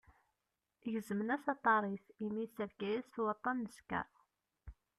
Gezmen-as aṭar-is, imi ysserka-as-t waṭṭan n ssker.